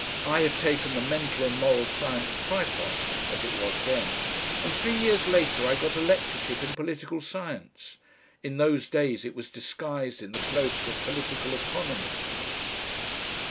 I had taken the Mental and Moral Science Tripos (as it was then), and three years later I got a lectureship in political science. In those days it was disguised in the cloak of Political Economy.